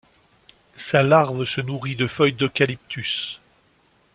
Sa larve se nourrit de feuilles d'Eucalyptus.